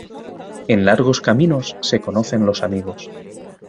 En largos caminos, se conocen los amigos.